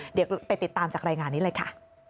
เดี๋ยวไปติดตามจากรายงานนี้เลยค่ะ